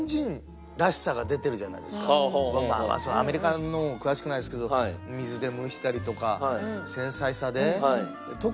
まあアメリカのも詳しくないですけど水で蒸したりとか繊細さで。